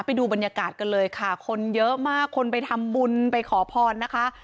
ไปดูบรรยากาศกันเลยค่ะคนเยอะมากคนไปทำบุญไปขอพรนะคะ